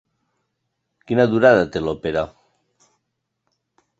Quina durada té l'òpera?